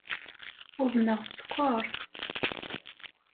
Uḍneɣ sskeṛ.